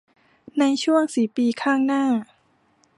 ในช่วงสี่ปีข้างหน้า